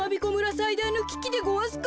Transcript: さいだいのききでごわすか。